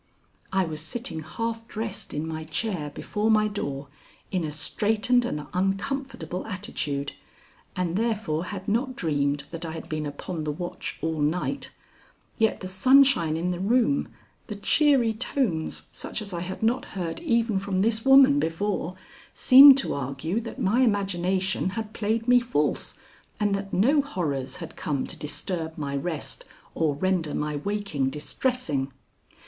I was sitting half dressed in my chair before my door in a straightened and uncomfortable attitude, and therefore had not dreamed that I had been upon the watch all night, yet the sunshine in the room, the cheery tones such as I had not heard even from this woman before, seemed to argue that my imagination had played me false and that no horrors had come to disturb my rest or render my waking distressing.